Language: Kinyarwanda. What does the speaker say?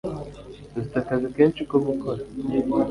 dufite akazi kenshi ko gukora